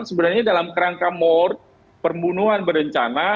sebenarnya dalam kerangka mort perbunuhan berencana